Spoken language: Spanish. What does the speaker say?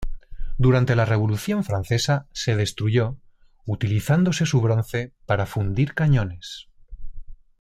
Durante la Revolución francesa se destruyó, utilizándose su bronce para fundir cañones.